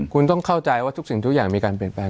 คุณต้องเข้าใจว่าทุกสิ่งทุกอย่างมีการเปลี่ยนแปลง